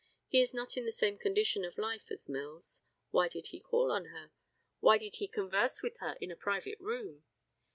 He is not in the same condition of life as Mills. Why did he call on her? Why did he converse with her in a private room?